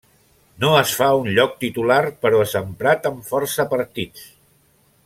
No es fa un lloc titular, però és emprat en força partits.